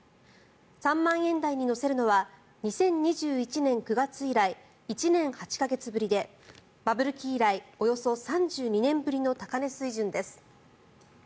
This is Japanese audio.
３万円台に乗せるのは２０２１年９月以来１年８か月ぶりでバブル期以来およそ３２年ぶりの高値水準です。